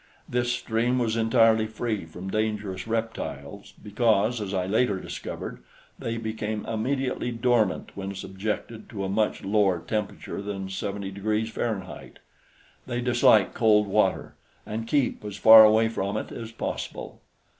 This stream was entirely free from dangerous reptiles, because, as I later discovered, they became immediately dormant when subjected to a much lower temperature than 70 degrees Fahrenheit. They dislike cold water and keep as far away from it as possible.